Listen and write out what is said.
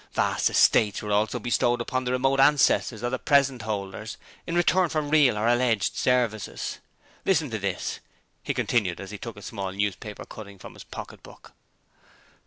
Vast estates were also bestowed upon the remote ancestors of the present holders in return for real or alleged services. Listen to this,' he continued as he took a small newspaper cutting from his pocket book.